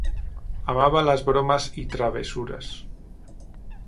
Amaba las bromas y travesuras.